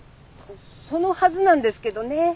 そのはずなんですけどね。